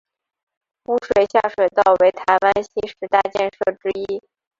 污水下水道为台湾新十大建设之一。